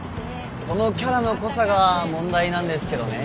そのキャラの濃さが問題なんですけどね。